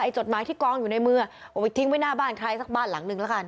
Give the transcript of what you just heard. จดหมายที่กองอยู่ในมือเอาไปทิ้งไว้หน้าบ้านใครสักบ้านหลังนึงแล้วกัน